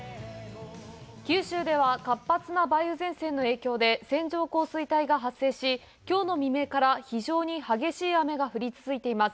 九州では活発な梅雨前線の影響で線状降水帯が発生し、きょうの未明から非常に激しい雨が降り続いています。